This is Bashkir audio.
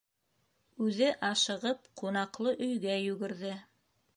Үҙе ашығып ҡунаҡлы өйгә йүгерҙе.